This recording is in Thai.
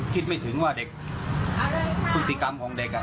คิดไม่ถึงว่าผู้ธีกรรมของเด็ก